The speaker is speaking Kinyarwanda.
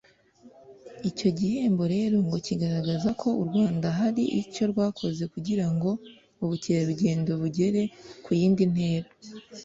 Icyo gihembo rero ngo kigaragaza ko u Rwanda hari icyo rwakoze kugira ngo ubukerarugendo bugere ku yindi ntera